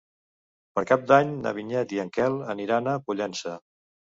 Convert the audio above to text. Per Cap d'Any na Vinyet i en Quel aniran a Pollença.